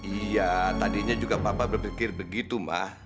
iya tadinya juga papa berpikir begitu ma